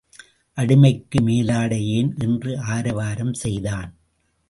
அடிமைக்கு மேலாடை ஏன் என்று ஆரவாரம் செய்தான்.